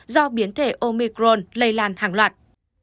do biến thể omicron lây lan hàng loạt